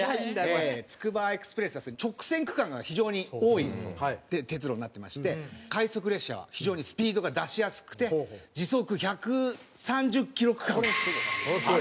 つくばエクスプレスはですね直線区間が非常に多い鉄路になってまして快速列車は非常にスピードが出しやすくて時速１３０キロ区間もあるという。